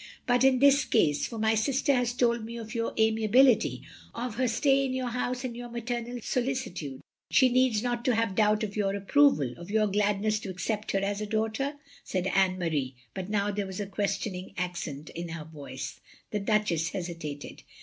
"But in this case — ^for my sister has told me of your amiability, of her stay in your house and your maternal solicitude — she needs not to have! doubt of your approval — of your gladness to accept her as a daughter?" said Anne Marie; but now there was a questioning accent in her voice. The Duchess hesitated.